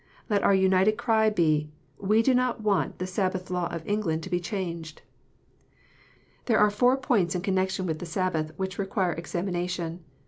Let our united cry be, " We do not want the Sabbath law of England to be changed." There are four points in connection with the Sabbath which require examination.